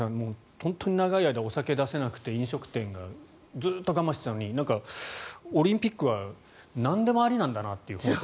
本当に長い間お酒を出せなくて飲食店がずっと我慢してたのになんかオリンピックはなんでもありなんだなという。